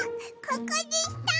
ここでした！